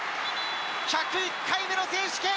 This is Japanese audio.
１０１回目の選手権。